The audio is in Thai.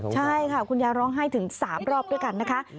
ใช่ค่ะคุณยายร้องไห้ถึง๓รอบด้วยกันนะคะ